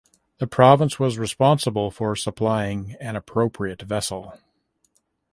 The province was responsible for supplying an appropriate vessel.